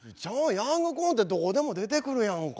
ヤングコーンってどこでも出てくるやんか。